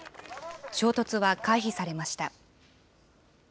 衝突は回避されました。